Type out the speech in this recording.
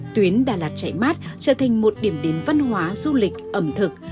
tuyến đà lạt chạy mát trở thành một điểm đến văn hóa du lịch ẩm thực